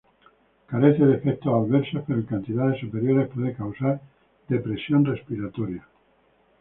Carece de efectos adversos pero en cantidades superiores puede causar depresión respiratoria.